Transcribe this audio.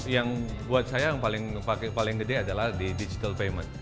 yang buat saya yang paling gede adalah di digital payment